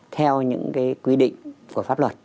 theo những cái quy định của pháp luật